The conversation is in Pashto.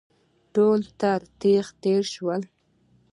ټول تر تېغ تېر شول.